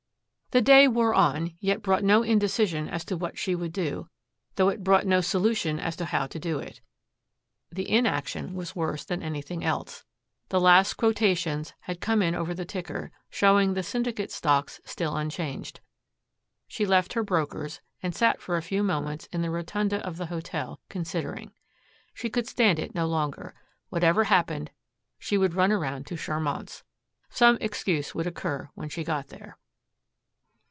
The day wore on, yet brought no indecision as to what she would do, though it brought no solution as to how to do it. The inaction was worse than anything else. The last quotations had come in over the ticker, showing the Syndicate stocks still unchanged. She left her brokers and sat for a few moments in the rotunda of the hotel, considering. She could stand it no longer. Whatever happened, she would run around to Charmant's. Some excuse would occur when she got there.